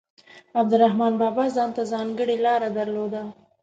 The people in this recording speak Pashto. عبدالرحمان بابا ځانته ځانګړې لاره درلوده.